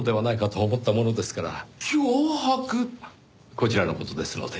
こちらの事ですので。